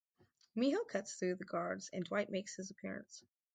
Miho cuts through the guards and Dwight makes his appearance.